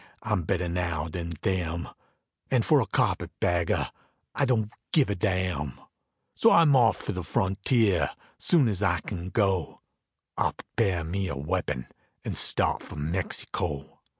I'm better now than them; And for a carpet bagger, I don't give a damn; So I'm off for the frontier, soon as I can go, I'll prepare me a weapon and start for Mexico.